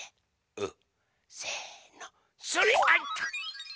うん！